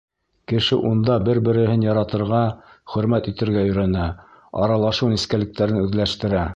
Кеше унда бер-береһен яратырға, хөрмәт итергә өйрәнә, аралашыу нескәлектәрен үҙләштерә.